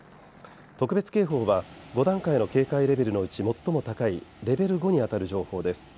特別警報は５段階の警戒レベルのうち最も高いレベル５に当たる情報です。